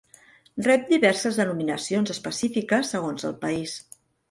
Rep diverses denominacions específiques segons el país.